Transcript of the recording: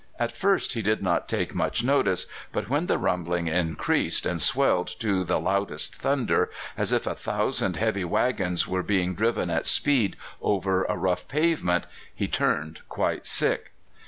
At first he did not take much notice, but when the rumbling increased and swelled to the loudest thunder, as if a thousand heavy waggons were being driven at speed over a rough pavement, he turned quite sick.